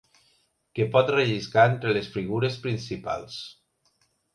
Què pot relliscar entre les figures principals?